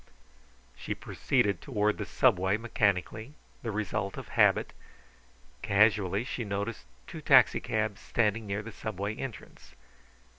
She proceeded toward the Subway mechanically, the result of habit. Casually she noted two taxicabs standing near the Subway entrance.